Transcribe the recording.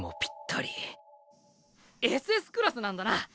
ＳＳクラスなんだな。